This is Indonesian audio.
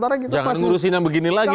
jangan ngurusin yang begini lagi